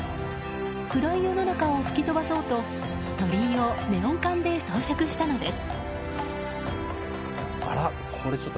暗い世の中を吹き飛ばそうと鳥居をネオン管で装飾したのです。